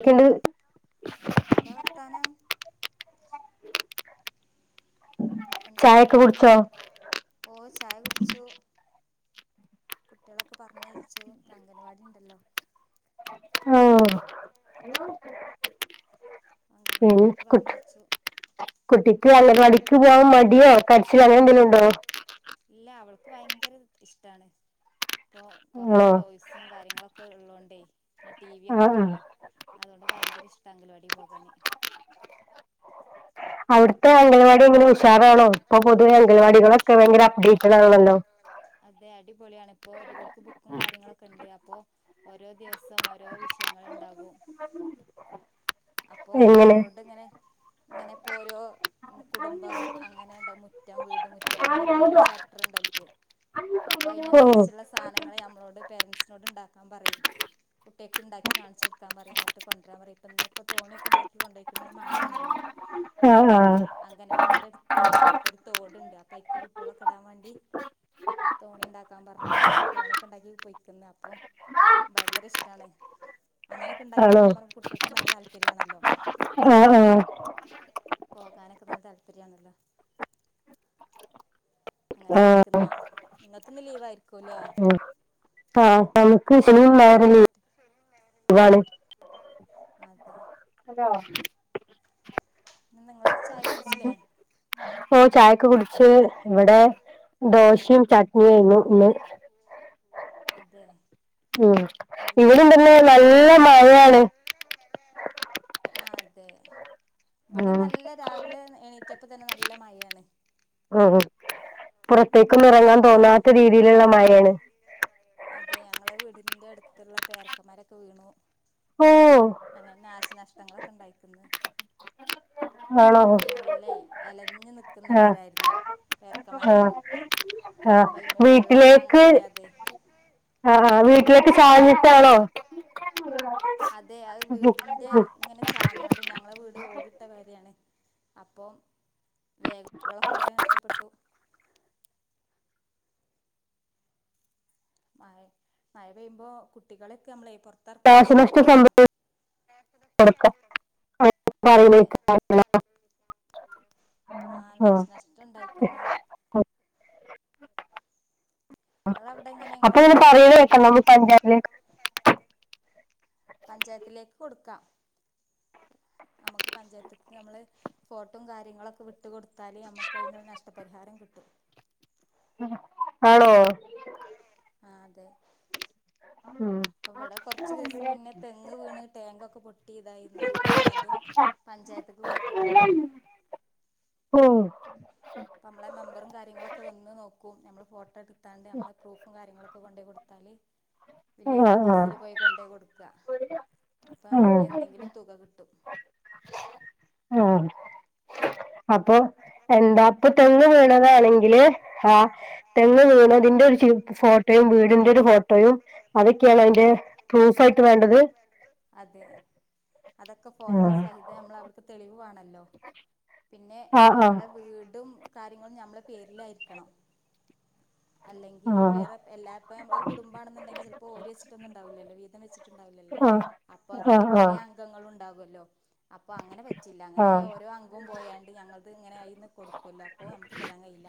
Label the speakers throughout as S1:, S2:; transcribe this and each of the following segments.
S1: ക്കല് [unintelligible]
S2: എന്താ വർത്താനം
S1: ചായയൊക്കെ കുടിച്ചോ
S2: ഓഹ് ചായ കുടിച്ചു കുട്ടിയോളൊക്കെ പറഞ്ഞയച്ചു ഇന്ന് അംഗനവാടി ഉണ്ടല്ലോ
S1: ഓഹ്
S2: അംഗൻവാടിയിലേക്ക് പറഞ്ഞയച്ചു
S1: കുട്ടിക്ക് അംഗൻവാടീക്ക് പോവാൻ മടിയോ കരച്ചിലൊ അങ്ങനെ എന്തേലും ഉണ്ടോ
S2: ഇല്ല അവൾക്ക് ഭയങ്കര ഇഷ്ടാണ് ഇപ്പൊ കൊറേ
S1: ആണോ
S2: ടോയ്സ് സും കാര്യങ്ങളൊക്കെ ഉള്ളോണ്ടേ പിന്നെ ടി വി
S1: ആ
S2: ഒക്കെ
S1: ആ
S2: ഉണ്ടല്ലോ അതുകൊണ്ട് ഭയങ്കര ഇഷ്ടാ അംഗലവാടി പോ കാന്
S1: അവിട്ത്തെ അംഗനവാടി എങ്ങനെ ഉഷാറാണോ ഇപ്പൊ പൊതുവെ അംഗൻവാടികളൊക്കെ ഭയങ്കര അപ്ഡേറ്റഡ് ആണല്ലോ?
S2: അതെ അടിപൊളിയാണ് ഇപ്പോ ഓര്ക്ക് ബുക്കും കാര്യങ്ങളൊക്കെ ഇണ്ട് അപ്പോ ഓരോ ദിവസം ഓരോ വിഷയങ്ങൾ ഇണ്ടാകും അപ്പോ
S1: എങ്ങനെ
S2: ഞമ്മളോട് ഇങ്ങനെ ഇങ്ങനെ ഇപ്പൊ ഓരോ കുടുംബം അങ്ങനെ ഇണ്ടാവും മുറ്റം വീട് മുറ്റം അങ്ങനെയൊക്കെ ഓരോ ചാപ്റ്റർ ഉണ്ട് ഓൽക്ക് അപ്പൊ
S1: ഓ
S2: അയിനൻസരിച്ച്ള്ള സാനങ്ങള് ഞമ്മളോട് പേരൻസിനോട് ഇണ്ടാക്കാൻ പറയും കുട്ടിയാക്ക് ഇണ്ടാക്കി കാണിച്ചു കൊടുക്കാൻ പറയും ഇന്നട്ട് കൊണ്ടരാൻ പറയും ഇപ്പ ഇന്ന്പ്പ തോണിയൊക്കെ ഇണ്ടാക്കി കൊണ്ടോയ്ക്ക്ണ് ഇന്ന് മയേണല്ലോ
S1: ആഹ് ആഹ്
S2: അംഗനവാടിന്റെ എട്ത്ത് ഒരു തോട്ണ്ട് അപ്പയിക്ക് കുട്ടിയാളൊക്കെ ഇടാൻ വാണ്ടി തോണി ഇണ്ടാക്കാൻ പറഞ്ഞ്ക്ക്ണ് അപ്പൊ തോണിയൊക്കെ ഇണ്ടാക്കി പൊയിക്ക്ന്ന് അപ്പൊ ഭയങ്കര ഇഷ്ടാണ് അങ്ങനെക്കെ ഇണ്ടാക്കി
S1: ആണോ
S2: കൊണ്ട്വരാൻ പറയുമ്പോ കുട്ടിയാക്കും നല്ല താല്പര്യാണല്ലോ
S1: ആഹ് ആഹ്
S2: പോകാനൊക്കെ നല്ല താല്പര്യാണല്ലോ? അങ്ങനെ
S1: ആ
S2: പൊയിക്ക്ന്ന് ഇങ്ങക്കിന്ന് ലീവ് ആയിരിക്കുംല്ലേ
S1: ഉം. ആ നമക്ക് ഷെനിം ഞായറും ലീ
S2: ഷെനിം ഞായറും ലീവ് ലീവാണ് അതെ
S1: ഹലോ
S2: നിങ്ങള് ചായൊക്കെ കുടിച്ചില്ലേ
S1: ഓഹ് ചായൊക്കെ കുടിച്ച് ഇവിടെ ദോശിം ചട്നിയായിന്നു ഇന്ന്
S2: അതെ
S1: ഓ
S2: എന്ത്
S1: ഇവിടെണ്ട് ഇന്ന് നല്ല മഴയാണ്
S2: [unintelligible] ആഹ് അതെ ഇവിടേം
S1: ഉം.
S2: നല്ല രാവിലെ എണീറ്റപ്പത്തന്നെ നല്ല മയെയാണ്
S1: ഉം ഉം പുറത്തേക്കൊന്നും ഇറങ്ങാൻ തോന്നാത്ത രീതിയില്ള്ള മയേണ്
S2: ഞ്ള്ളെ മയേണ് അതെ അങ്ങളെ വീടിന്റെ എട്ത്ത്ള്ള പേരക്ക മരൊക്കെ വീണു
S1: ഓ
S2: അങ്ങനെ നാശനഷ്ടങ്ങളൊക്കെ ഇണ്ടായിക്ക്ന്ന്
S1: ആണോ?
S2: നല്ലെയ് എലഞ്ഞ് നിക്ക്ന്ന
S1: ആഹ്
S2: മരായിരുന്നു പേരക്ക മരം
S1: ഹാ വീട്ടിലേക്ക്
S2: കഴിയാതെ
S1: ആ വീട്ട
S2: ആ ആ വീട്ടിലേക് ചാഞ്ഞിട്ടാണോ അതെ അത് വീടിന്റെ ഇങ്ങനെ ചാഞ്ഞോണ്ട് ഞങ്ങളെ വീട് ഓട് ഇട്ട പെരേണ് അപ്പൊ വേക്കളൊക്കെ കൊറേ നഷ്ടപ്പെട്ടു മഴ മഴ പെയ്യുമ്പോ കുട്ടികളക്കെ ഞമ്മളെയ് പൊർ ത്തർക്കാതെ
S1: നാശനഷ്ടം
S2: ശ്രദ്ധിക്കണം
S1: സംഭവിച്ചു കൊടുക്ക [inaudible]
S2: അതെ ആഹ് നാശനഷ്ട്ടം ഇണ്ടായിക്ക്ന്ന് ഇങ്ങള അവിടെ
S1: അപ്പ ഇങ്ങന പറയിണേക്കാം നമ്മള് പഞ്ചായിലെ
S2: പഞ്ചായത്തിലേക്ക് കൊടുക്കാം അമ്മക്ക് പഞ്ചായത്ത് അമ്മള് ഫോട്ടം കാര്യങ്ങളൊക്കെ വിട്ട ട്ട് കൊടുത്താല് ഞമ്മക്കയിന് അതിനൊരു നഷ്ടപരിഹാരം കിട്ടും
S1: ആണോ?
S2: ആഹ് അതെ
S1: ഉം
S2: ഇപ്പം വടെ കുറച്ചു ദിവസം മുന്നേ തെ ങ്ങ് വീണ് ടേങ്കൊക്കെ പൊട്ടി ഇതായിന്ന് അപ്പ ഞങ്ങളതും പഞ്ചായത്ത്ക്ക് കൊട്ത്തിട്ട്ണ്ട്.
S1: ഓഹ്
S2: അപ്പ നമ്മളെ മെമ്പറും കാര്യങ്ങളൊക്കെ വന്ന് നോക്കും. നമ്മൾ ഫോട്ടട്ത്താണ്ട് നമ്മളെ പ്രൂഫും കാര്യങ്ങളൊ ക്കെ കൊണ്ടയ് കൊടുത്താല്
S1: ആഹ്
S2: വില്ലേജ്
S1: ആഹ്
S2: ഓഫീസിൽ പോയി കൊണ്ടെയ് കൊട് ക്കാ. അപ്പൊ നമുക്ക്
S1: ആഹ്
S2: എന്തെങ്കിലും തുക കിട്ടും
S1: ആഹ് അപ്പൊ എന്താ അപ്പൊ തെങ്ങ് വീണതാണെങ്കില് ആ തെങ്ങ് വീണതിന്റെ ചി ഒരു ഫോട്ടോയും വീടിന്റെ ഒരു ഫോട്ടോയും അതൊക്കെയാണൊ അയിന്റെ
S2: പ്രൂഫായിട്ട് വേണ്ടത്? അതെ. അതൊക്കെ ഫോട്ടോ
S1: ആഹ്
S2: സഹിതം നമ്മൾ അവർക്ക് തെളിവ് വാണ ല്ലോ പിന്നെ
S1: ആഹ്
S2: നമ്മളെ വീടും കാര്യങ്ങളും ഞമ്മളെ പേരിലായിരിക്കണം. അല്ലെങ്കില്
S1: ആഹ്
S2: വേറെ എല്ലാപ്പം ഒരു കുടുംബാണെന്നുണ്ടങ്കി ചിലപ്പോ ഓര്യേച്ചിട്ടൊന്നും ഇണ്ടാവില്ലല്ലോ വീതം വെച്ചി ട്ട്ണ്ടാവില്ലല്ലോ.
S1: ആഹ്
S2: അപ്പോ അതില്
S1: ആഹ്
S2: പലേ
S1: ആഹ്
S2: അം ഗങ്ങളും ഉണ്ടാകൊല്ലോ. അപ്പോ അങ്ങനെ പറ്റില്ല
S1: ആഹ്
S2: അങ്ങനെ ആയാ
S1: ആഹ്
S2: ഓരോ അംഗവും പോയാണ്ട് ഞങ്ങ ക്ക് ഇങ്ങനെ ആയിന്ന് കൊട് ക്കൊല്ലോ അപ്പൊ നമുക്ക് തരാൻ കയ്യില്ല.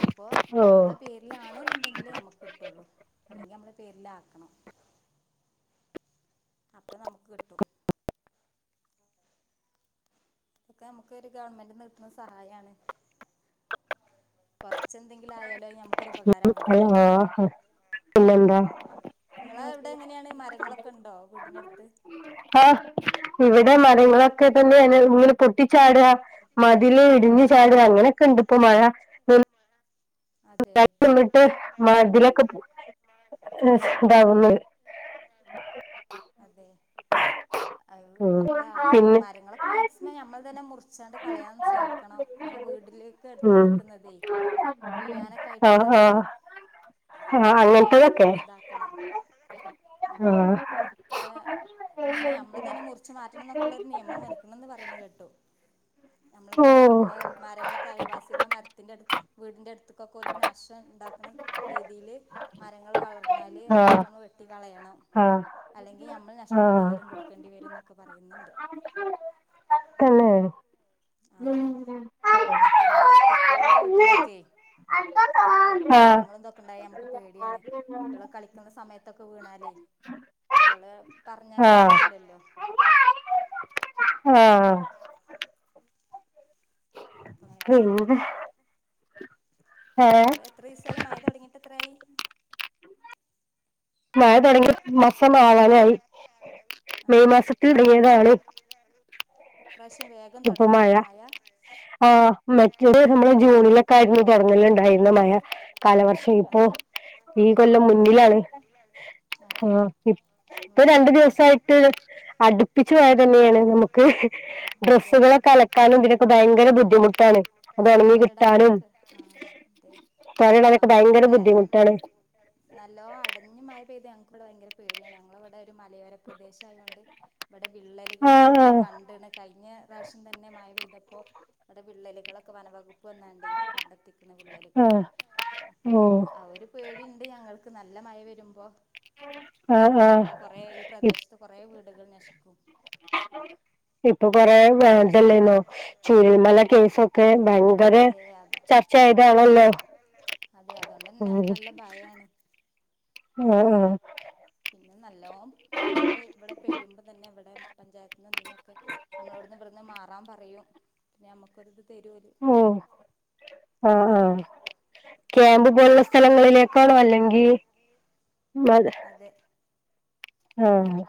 S2: അപ്പോ
S1: ഓ
S2: നമ്മള് പേരിലാണ് ന്നുണ്ടെങ്കിലേ നമുക്ക് കിട്ടൊള്ളൂ. അല്ലെങ്കി നമ്മളെ പേരിലാക്കണം. അപ്പം നമുക്ക് കിട്ടും. ഇതൊക്കെ നമുക്കൊര് ഗവൺമെൻ്റ് ന്ന് കിട്ട്ണ സഹായാണ്. കൊർച്ചെന്തെങ്കിലും ആയാലും അത് ഞം ക്കൊരുപാകാര വണല്ലോ
S1: ഇല്ലണ്ടാ
S2: ഇങ്ങള ഇവിടെ എങ്ങനെയാണ് മരങ്ങളൊക്കെ ഉണ്ടോ വീടിനടുത്ത്
S1: ആഹ് ഇവിടെ മരങ്ങളൊക്കെ തന്നെ ആണ് ഇങ്ങനെ പൊട്ടിച്ചാടാ, മതില് ഇടിഞ്ഞ് ചാടാ, അങ്ങനെയൊക്കെ ഇണ്ട് ഇപ്പം മഴ
S2: അതെ
S1: [unintelligible] നിന്നിട്ട് മതിലൊക്കെ ഏഹ് ഇതാവുന്ന്.
S2: ഇതാവുന്ന്. അതെ അവ്
S1: ഉം
S2: എന്താ
S1: പിന്നെ
S2: മരങ്ങളൊക്കെ മാക്സിമം ഞമ്മൾ തെന്നെ മുറിച്ചാണ്ട് കളയാൻ ശ്രമിക്കണം. ഇങ്ങനെ വീടിലേക്ക് എടുത്ത്
S1: ഉം
S2: നിക്കുന്നതേ. വീഴാനൊക്കെ
S1: ആഹ്
S2: ആയിട്ടുള്ളത്
S1: ആഹ്. ഹാ അങ്ങൻത്തതൊക്കെ.
S2: ങ്ങൻത്തതൊക്കെ. ആഹ് ഇപ്പ ഇങ്ങനെ ഞമ്മൾ തെന്നെ മുറിച്ച് മാറ്റണംന്നൊക്കെള്ള ഒര് നിയമം വന്ന്ക്ക്ണ് ന്ന് പറിണത് കേട്ടു.
S1: ഓ
S2: ഞമ്മളിപ്പ ഞമ്മള് മരങ്ങളൊക്കെ അയൽവാസികളെ മരത്തിന്റെ അട് വീടിന്റെ അട്ത്ത് കൊക്കോൽക്ക് നാഷ്ടം ഇണ്ടാക്ണ രീതിയില് മരങ്ങൾ വളർന്നാല്
S1: ആഹ്
S2: അതൊക്കെ ന്നമ്മൾ വെട്ടികളയണം.
S1: ആഹ്
S2: അല്ലെങ്കി നമ്മൾ
S1: ആഹ്
S2: നഷ്ടപരിഹാരം കൊടുക്കണ്ടി വരും ന്നൊക്കെ പറയ്ന്ന്ണ്ട്.
S1: തന്നേ
S2: ആഹ് പിന്നെ കുട്ട്യേൾ ഇള്ള വീട്ടിലൊക്കെ
S1: ആഹ്
S2: മരങ്ങളും ഇതൊക്കെ ഇണ്ടായ ഞമ്മക്ക് പേടിയാണ്. കുട്ടിയാൾ കളിക്ക്ന്ന സമയത്തൊക്കെ വീണാലേയ്. കുട്ടിയാള് പറഞ്ഞാ
S1: ആഹ്
S2: കേക്കൂലല്ലോ.
S1: ആഹ്
S2: അപ്പൊ അങ്ങനെയൊക്കെ
S1: പിന്നെ.
S2: ശ്രദ്ധിക്ക
S1: ഏഹ്?
S2: എത്രീസായി മയതൊടങ്ങിട്ട് എത്രായി?
S1: മയ തൊട്ങ്ങി മാസംആവാനായി
S2: അതെ
S1: മെയ്മാസത്തിൽ ങ്ങിയതാണ്.
S2: ഇപ്രാവശ്യം വേഗം തൊടങ്ങീലേ മഴ.
S1: ആഹ് മറ്റെ നമ്മള് ജൂണിലൊക്കെ ആയിരുന്നു തൊടങ്ങല്ണ്ടായിന്നേ മഴ. കാലവർശ് ശേ ഇപ്പോ
S2: അതെ
S1: ഈ കൊല്ലം
S2: അതെ
S1: മുന്നിലാണ്.
S2: അതെ
S1: ആഹ് ഇപ്പൊ
S2: ഉം.
S1: രണ്ടു
S2: ഇപ്പ [unintelligible] ദിവസായിട്ട്
S1: അടുപ്പിച്ചു
S2: അട്പ്പിച്ച്
S1: തന്നെയാണ്
S2: മഴ
S1: നമുക്ക്
S2: തന്ന്യാണ്. അതെ.
S1: ഡ്രസ്സുകളൊക്കെ അലക്കാനും
S2: ഡ്രസുകളൊക്കെ
S1: ഇതിനൊക്കെ
S2: അലക്കാനും
S1: ഭയങ്കര
S2: തിനൊക്കെ ഭയങ്കര
S1: ബുദ്ധിമുട്ടാണ് അത്
S2: ബുദ്ധിമുട്ടാണ്.
S1: ഒണങ്ങി
S2: തോരെടാനൊക്കെയ്ക്കാ. ആഹ് തേ
S1: തോരെടാനൊക്കെ ഭയങ്കര ബുദ്ധിമുട്ടാണ്.
S2: ന്നല്ലോ അടഞ്ഞു മയപെയ്ത ഞങ്ങക്കിവടെ ഭയങ്കരപേടിയാണ് ഞങ്ങളെഇവടെ ഒര്മലയോര പ്രദേശം ആയോണ്ട്. ഇവടെ
S1: ആഹ്
S2: വിള്ളലുകളൊക്കെങ്ങനെ
S1: ആഹ്
S2: കണ്ണ്ട്ണ് കയ്ഞ്ഞേ പ്രാവശ്യംതെന്നെ മഴപെയ്തപ്പോ ഇവടെ വിള്ളലുകൾക്കെ വനവകുപ്പ് വന്നാണ്ടേയ്. കണ്ടെത്തിക്ക്ണ്
S1: ആഹ്
S2: വിള്ളലുകളൊക്കെ. ഇപ്പോം
S1: ഓഹ്
S2: ആ ഒര്പേടിണ്ട് ഞങ്ങൾക്ക് ന്നല്ലേ മഴവെരുമ്പോ.
S1: ആഹ് ആഹ്
S2: ഇവടെ കൊറെ ഈപ്രദേശത്ത് കുറെ വീടുകൾനശിക്കും.
S1: [inaudible] ഇപ്പൊകൊറെേ വേതല്ലേന്നോ ചൂരൽ മല കേസൊക്കെ ഭയങ്കെരെ
S2: അതെ അതെ
S1: ച ചെയ്തണല്ലോ
S2: അതെ അതോണ്ടെന്നെ ഞക്ക്ന്നല്ലെ ഭയാണ്.
S1: [unintelligible]
S2: പിന്നെന്നല്ലോം ഞമ്മള് ഇവടെ പെയ്യുമ്പോതെന്നെ ഇവടെപഞ്ചായത്തിന്ന് ഇതിന്നൊക്കെ ന്നമ്മളോട് ഇവട്ന്ന് മാറാൻപറയും. ഞമ്മക്കൊരുത് തെരോല്.
S1: ഹോ ആഹ്, ആഹ് ക്യാമ്പ്പോലുള്ള സ്ഥലങ്ങളിലേക്കാണോ അല്ലെങ്കിൽ മ
S2: അതെ
S1: ആഹ്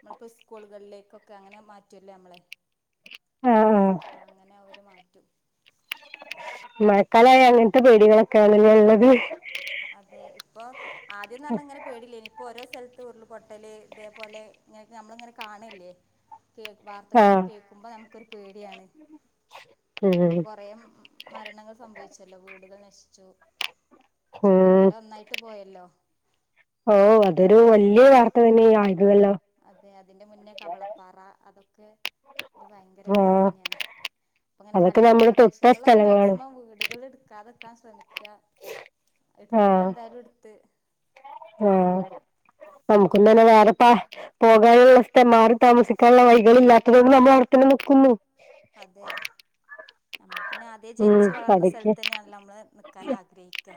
S2: മ്മളിപ്പോ സ്കൂളുകളിലേക്കൊക്കെ അങ്ങനെമാറ്റൊല്ലോഞമ്മളെ ആഹ് അങ്ങനെ അവര്മാറ്റും.
S1: മഴക്കാലായ അങ്ങന് ത്തെ പേടികളൊക്കെയആണല്ലേഉള്ളത്.
S2: അതെഇപ്പൊ ആദ്യംന്ന്ർഞ്ഞാ ഇങ്ങനെ പേടിയില്ലേയ്നി ഇപ്പോഓരോ സ്ഥലത്ത് ഉരുൾപൊട്ടല് ഇതേപോലെ ഇങ്ങനെ ന്നമ്മളിങ്ങനെ കാണല്ലേ? കേ വാർത്തകളൊക്കെ
S1: ആഹ്
S2: കേൾക്കുമ്പോ ഞമ്മക്കൊരുപേടിയാണ്. ഇപ്പോ
S1: ഉം
S2: കുറെമരണങ്ങൾ സംഭവിച്ചല്ലോ വീടുകൾനശിച്ചു.
S1: ഉം
S2: ചുരൽമല ഒന്നായിട്ട്പോയല്ലോ
S1: ഓഹ് അതൊരു വല്യ വാർത്ത തന്നെ ആയിരുന്നല്ലോ
S2: അതെ അതിന്റെ മുന്നേ കവളപ്പാറ അതൊ ക്കെ ഒരുഭയങ്കര
S1: ആഹ്
S2: പേടിന്നെയാണ് ഇപ്പൊങ്ങനെ
S1: അതൊക്കെ
S2: മലയോര
S1: നമ്മള് തൊട്ട
S2: പ്രദേശങ്ങൾളൊലൊക്കെ
S1: സ്ഥലങ്ങളാണ്
S2: മാക്സിമം വീ ടുകൾഎടുക്കാതെക്കാൻ ശ്രമിക്ക
S1: ആഹ്
S2: എടുത്തോലഎന്തായാലും എടുത്ത്
S1: ആഹ് നമുക്കിന്നന വേറെപ്പാ പോകാനുള്ള സ്ഥ മാറി താമസിക്കാനുള്ള വൈകളി ഇല്ലാത്തത കൊണ്ട് നമ്മള് അവ്ടെത്തന്നെ നിക്കുന്നു
S2: അതെ ന്നമ്മൾപിന്നെ
S1: ഉം
S2: അതേജനിച്ച് വളർന്ന
S1: അതൊക്കെ
S2: സ്ഥലത്ത് തെന്നെയാണല്ലോ ന്നമ്മള് നിക്കാൻആഗ്രഹിക്ക.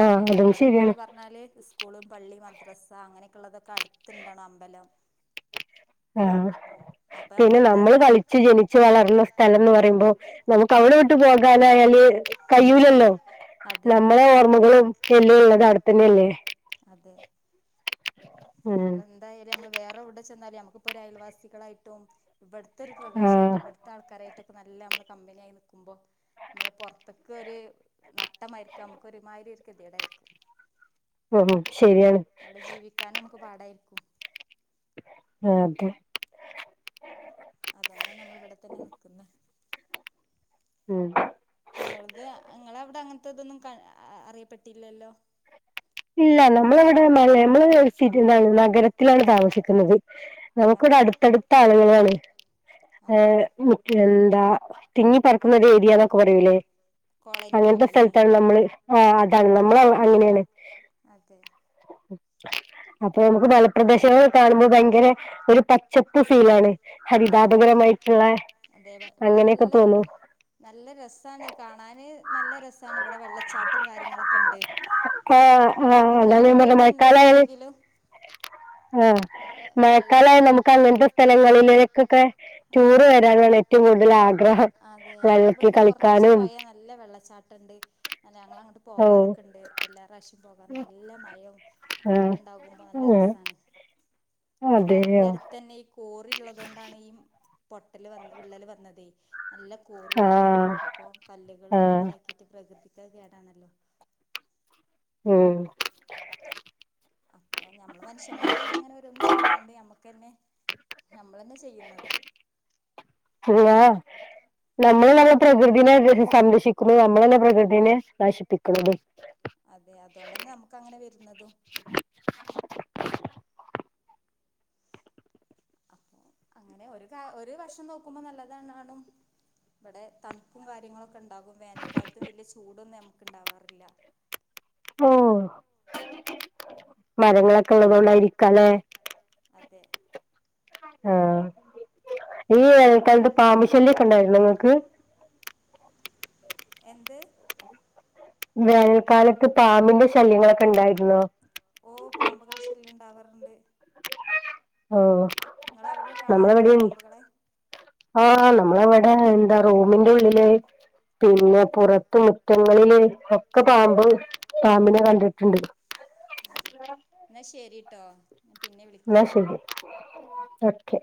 S1: ആഹ് അതും
S2: ഇവിടെക്കെന്ന്
S1: ശരിയാണ്
S2: പറഞ്ഞാല് സ്കൂളും, പള്ളി, മദ്രസ അങ്ങനെയൊക്കെള്ളത കട്ത്ത്ണ്ടാണ് അമ്പലംഅപ്പെ ഞമ്മളെന്തായാലും
S1: ച്ച് ജനിച്ച് വളർന്ന സ്ഥലംന്ന് പറയുമ്പോ നമുക്ക് അവിടെ വിട്ട് പോകാനായല് കയൂലല്ലോ
S2: അതെ
S1: നമ്മളെ ഓർമ്മകളും വല്ലിയള്ളത് അട്ത്തന്നല്ലേ
S2: അതെ
S1: ഉം
S2: നമ്മളന്തായാലും നമ്മള് വേറെ വ്ടെ ചെന്നാലും നമ്മക്കിപ്പോ ഒരു അയൽവാസികളായിട്ടും ഇവ്ട്ത്തെരു പ്രദേശായിട്ട്
S1: ആഹ്
S2: ഇവിടതാ ൾക്കാരായിട്ടൊക്കെ നല്ല നമ്മള് കമ്പനിയായിനിക്കുമ്പോ നമ്മള് പൊർത്ത്ക്കൊര് നട്ടമായിരിക്കും നമുക്ക് ഒരുമാതിരി ഒരു കെതിടായിരിക്കും
S1: ഉം ഉം ശെരിയാണ്
S2: അവ്ടെ ജീവിക്കാൻ നമുക്ക് പാടായിരിക്കും
S1: അതെ..
S2: അതോണ്ടാ നമ്മള് ഇവ്ടെ തന്നെ നിക്കുന്നെ
S1: ഉം
S2: ഇങ്ങൾത് ഇങ്ങളവ്ടെ അങ്ങനത്തെതൊന്നും അറിയപ്പെട്ടില്ലല്ലോ
S1: ഇല്ല നമ്മളവ്ടെ മഴ നമ്മ [unintelligible] എന്താണ് നഗരത്തി ത്തിലാണ് താമസിക്കുന്നത് നമുക്ക് വിടെ
S2: അതെ
S1: അടുത്തടുത്ത ആളുങ്ങളാണ്
S2: അതെ
S1: ഏഹ് എന്താ തിങ്ങി പർക്കുന്ന ഒരു ഏരിയന്നൊക്കെ പറയൂലേ
S2: കോളനി
S1: അങ്ങൻത്തെ
S2: പോലെല്ലേ
S1: സ്ഥൽത്താണ് നമ്മള് ആ അതാണ് നമ്മൾ അങ്ങനെയാണ്
S2: അതെ
S1: അപ്പൊ നമുക്ക് മലപ്രദേശങ്ങള് കാണുമ്പോ ഭയങ്കര ഒരു പച്ചപ്പ് ഫീലാണ്
S2: അതെ
S1: ഹരിതാപകരമായിട്ടുള്ള
S2: അതെ ഇവിടെ
S1: അങ്ങനെയൊക്കെ
S2: നല്ല
S1: തോന്നും
S2: നല്ല രസാണ് കാണാന് നല്ല രസാണ് ഇവ്ടെ വെള്ളച്ചാട്ടും കാര്യങ്ങളൊക്കെണ്ട്
S1: ആഹ് ആഹ് അതഞാപറഞ്ഞേ മ മഴക്കാലായല്
S2: ഉണ്ട്ന്നുണ്ടെങ്കിലും
S1: അഹ്
S2: നല്ല വെള്ള
S1: മഴകാലയാല് നമുക്ക്അങ്ങൻ ത്തെ സ്ഥലങ്ങളില് ക്കെക്കെ ടൂറ്
S2: അതെ
S1: വരാനാണ് ഏറ്റും കൂട് തല് ആഗ്രഹം
S2: അതെ നമ്മള
S1: വെള്ളത്തി
S2: ഇവിടുന്ന് കൊറച്ച്
S1: കളിക്കാനും
S2: പോയാ നല്ല വെള്ളച്ചാട്ടണ്ട് അ ഞങ്ങള ങ്ങോട്ട്
S1: ഓ
S2: പോകാറൊക്കെണ്ട് എല്ലാപ്രാവശ്യംപോകാൻ നല്ല മയും
S1: ആ
S2: വെള്ളംണ്ടാകുമ്പോ നല്ല
S1: ഉം,
S2: രസാണ് പിന്നെ
S1: അതെയോ
S2: അതിന്റെ അട്ത്തന്നെ ഈ കോറിള്ളതൊണ്ടാണ് ഈ പൊട്ടല് വന്ന് വിള്ളല് വന്നതെ നല്ല
S1: ആ
S2: കോറിണ്ട് അപ്പൊ കല്ലുകളി
S1: ആ
S2: ങ്ങനെതാക്കിട്ട് പ്രകൃതിക്കത് കേടാണല്ലോ
S1: ഉം
S2: അപ്പൊ ഞമ്മള് മനുഷ്യന്മാര്ന്നെ അങ്ങനെ ഓരോന്ന് ചെയ്താണ്ട് ഞമ്മക്കെന്നെ ഞമ്മളന്നാ ചെയ്യുന്നത്
S1: പിന്നെ ഞമ്മള് നല്ല പ്രകൃതിനല്ലോ സംരക്ഷിക്ക ക്കുന്ന നമ്മളന്നെ പ്രകൃതിനെ നശ് പ്പിക്കുന്നത്
S2: അതെ അതോണ്ടന്നെ നമുക്ക അങ്ങനെ വരുന്നതും അപ്പൊ അങ്ങനെ ഒരു കാ ഒരു വർഷം നോക്കുമ്പോ നല്ലതണും വടെ തൺപ്പും കാര്യങ്ങളൊക്കെ ണ്ടാകും വേനൽക്കാൽത്തും വെല്യ ചൂടൊന്നും ഞമുക്ക് ണ്ടാവാറില്ല
S1: ഓഹ് മരങ്ങളൊക്കെ ഉള്ളതോ ണ്ടായിരിക്കാലെ
S2: അതെ
S1: ആഹ് ഈ വേനൽകാലത്ത് പാമ്പുശെല്യക്കെണ്ടായിരുന്നൊ ഇങ്ങക്ക്
S2: എന്ത്
S1: വേനൽക്കാലത്ത് പാമ്പിന്റെ ശല്യങ്ങളൊക്കെ ഉണ്ടായിരുന്നോ
S2: ഓഹ് പാമ്പകൾ ശല്യംണ്ടാവറണ്ട്
S1: ഓഹ്
S2: നിങ്ങള അവിടെ കാണാറുണ്ടോ പാമ്പുകളെ
S1: ആഹ് നമ്മളവിടെ എന്താ റോമിന്റെ ഉള്ളില് പിന്നെ പുറത്ത് മുറ്റങ്ങളില് ഒക്കെ പാമ്പ് പാമ്പിനെ കണ്ടിട്ടുണ്ട്
S2: അതെ എന്നാ ശരിട്ടോ പിന്നെ വിളി
S1: ന്നാ ശരി. ഓക്കെ